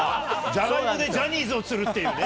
ジャガイモでジャニーズを釣るっていうね。